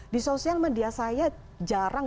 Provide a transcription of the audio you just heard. di sosial media saya jarang